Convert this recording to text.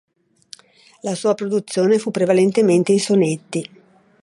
La sua produzione fu prevalentemente in sonetti.